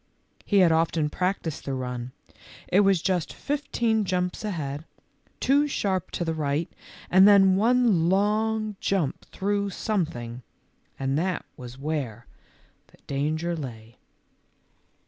He had often practised the run. It was just fifteen jumps ahead, two sharp to the right and then one long jump through something, and that was where the 136 THE LITTLE FORESTERS. danger lay.